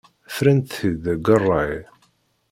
Frant-t-id deg ṛṛay.